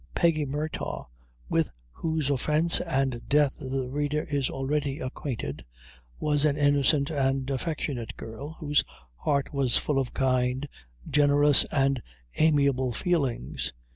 Peggy Murtagh, with whose offence and death the reader is already acquainted, was an innocent and affectionate girl, whose heart was full of kind, generous, and amiable feelings.